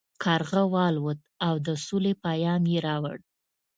کارغه والوت او د سولې پیام یې راوړ.